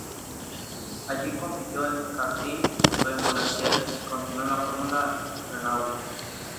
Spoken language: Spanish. Allí compitió en karting, disputó el Volante Elf y continuó en la Fórmula Renault.